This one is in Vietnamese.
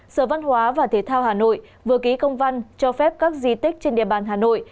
sở văn hóa và thể thao hà nội vừa ký công văn cho phép các di tích trên địa bàn hà nội